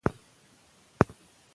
څانګه خبرې کوي او ژبه لري.